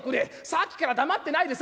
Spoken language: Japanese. さっきから黙ってないでさ